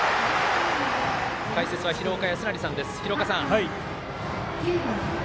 解説は廣岡資生さんです。